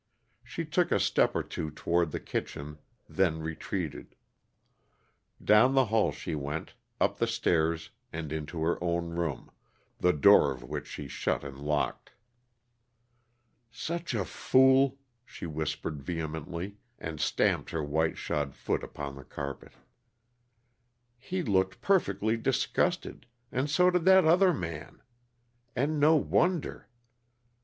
She took a step or two toward the kitchen, then retreated; down the hall she went, up the stairs and into her own room, the door of which she shut and locked. "Such a fool!" she whispered vehemently, and stamped her white shod foot upon the carpet. "He looked perfectly disgusted and so did that other man. And no wonder.